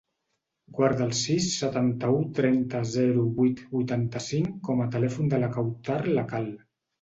Guarda el sis, setanta-u, trenta, zero, vuit, vuitanta-cinc com a telèfon de la Kawtar Lakhal.